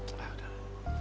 ah udah lah